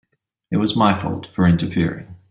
It was my fault for interfering.